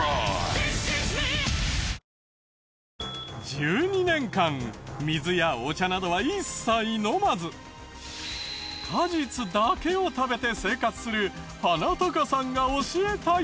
１２年間水やお茶などは一切飲まず果実だけを食べて生活するハナタカさんが教えたい！